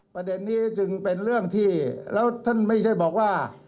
ประเด็นนี้จึงเป็นเรื่องที่แล้วท่านไม่ใช่บอกว่า